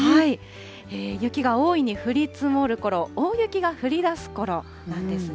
雪が大いに降り積もるころ、大雪が降りだすころなんですね。